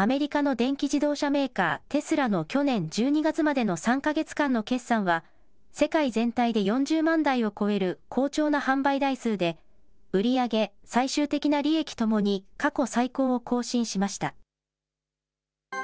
アメリカの電気自動車メーカー、テスラの去年１２月までの３か月間の決算は、世界全体で４０万台を超える好調な販売台数で、売り上げ、最終的な利益ともに過去最高を更新しました。